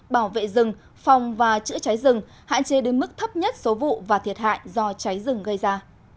bảo vệ rừng phòng và chữa cháy rừng hạn chế đến mức thấp nhất số vụ và thiệt hại do cháy rừng gây ra